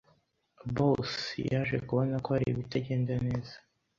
Bos yaje kubona ko hari ibitagenda neza.